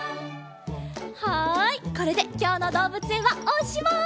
はいこれできょうのどうぶつえんはおしまい。